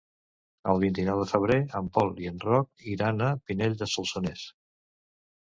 El vint-i-nou de febrer en Pol i en Roc iran a Pinell de Solsonès.